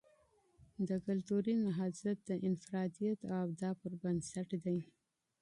د کلتوری نهضت د انفرادیت او ابداع پر بنسټ دی.